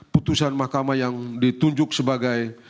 putusan mahkamah yang ditunjuk sebagai